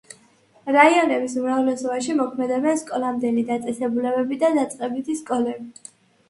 რაიონების უმრავლესობაში მოქმედებენ სკოლამდელი დაწესებულებები და დაწყებითი სკოლები.